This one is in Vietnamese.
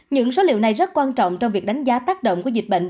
những số liệu này rất quan trọng trong việc đánh giá tác động của dịch bệnh